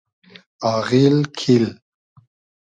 آغیل کیل